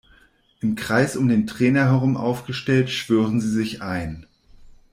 Im Kreis um den Trainer herum aufgestellt schwören sie sich ein.